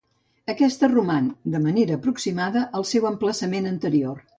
Aquesta roman, de forma aproximada, al seu emplaçament anterior.